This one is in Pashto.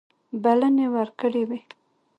بلنې ورکړي وې.